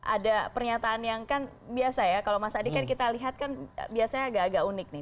ada pernyataan yang kan biasa ya kalau mas adi kan kita lihat kan biasanya agak agak unik nih